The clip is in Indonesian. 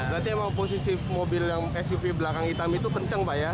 berarti emang posisi mobil yang suv belakang hitam itu kenceng pak ya